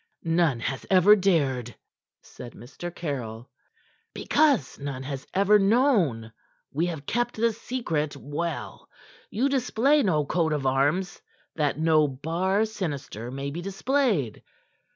"None has ever dared," said Mr. Caryll. "Because none has ever known. We have kept the secret well. You display no coat of arms that no bar sinister may be displayed.